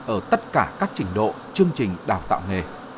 ở tất cả các trình độ chương trình đào tạo nghề